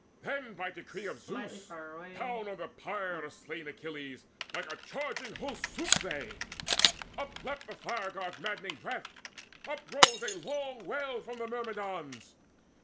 Then by decree of Zeus down on the pyre Of slain Achilles, like a charging host Swooped they; upleapt the Fire god's madding breath: Uprose a long wail from the Myrmidons.